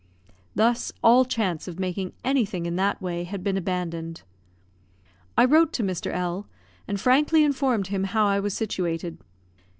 Thus, all chance of making anything in that way had been abandoned. I wrote to Mr. L , and frankly informed him how I was situated.